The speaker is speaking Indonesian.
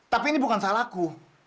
tapi ini bukan salahku